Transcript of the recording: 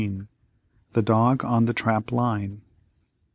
THE DOG ON THE TRAP LINE.